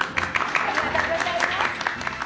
ありがとうございます。